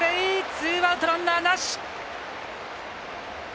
ツーアウトランナーなし。